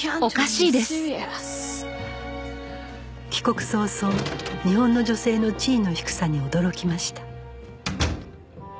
帰国早々日本の女性の地位の低さに驚きました